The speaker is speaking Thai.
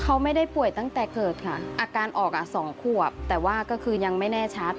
เขาไม่ได้ป่วยตั้งแต่เกิดค่ะอาการออกอ่ะสองขวบแต่ว่าก็คือยังไม่แน่ชัด